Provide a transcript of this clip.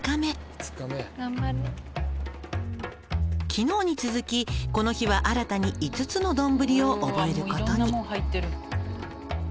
「昨日に続きこの日は新たに５つの丼を覚えることに」